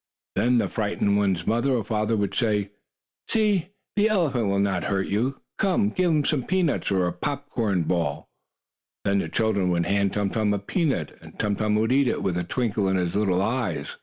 Then the frightened one's mother or father would say: "See, the good elephant will not hurt you. Come, give him some peanuts or popcorn." Then the child would hand Tum Tum a peanut, and Tum Tum would eat it with a twinkle in his little eyes.